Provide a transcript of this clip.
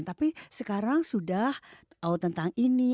tapi sekarang sudah tahu tentang ini